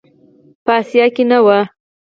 په آسیا کې نه و.